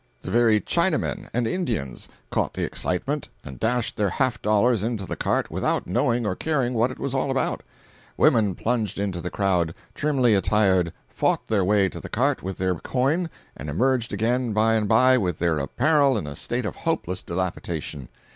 The very Chinamen and Indians caught the excitement and dashed their half dollars into the cart without knowing or caring what it was all about. Women plunged into the crowd, trimly attired, fought their way to the cart with their coin, and emerged again, by and by, with their apparel in a state of hopeless dilapidation.